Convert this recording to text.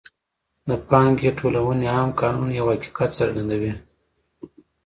د پانګې ټولونې عام قانون یو حقیقت څرګندوي